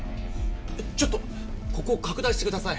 えっちょっとここ拡大してください。